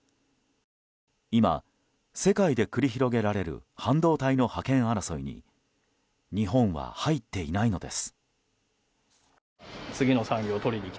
今、世界で繰り広げられる半導体の覇権争いに日本は入っていないのです。